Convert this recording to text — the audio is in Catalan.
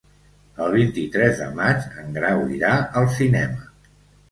El vint-i-tres de maig en Grau irà al cinema.